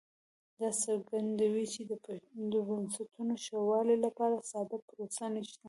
دا څرګندوي چې د بنسټونو ښه والي لپاره ساده پروسه نشته